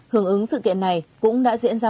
hưởng ứng sự kiện này cũng đã diễn ra